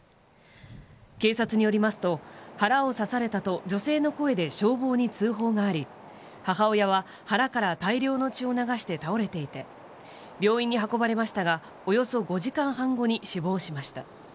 警察によりますと腹を刺されたと女性の声で消防に通報があり母親は腹から大量の血を流して倒れていて病院に運ばれましたがおよそ５時間半後に死亡しました。